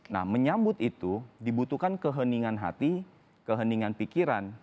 nah menyambut itu dibutuhkan keheningan hati keheningan pikiran